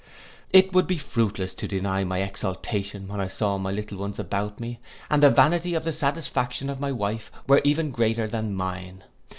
It would be fruitless to deny my exultation when I saw my little ones about me; but the vanity and the satisfaction of my wife were even greater than mine.